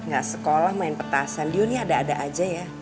nggak sekolah main petasan dio nih ada ada aja ya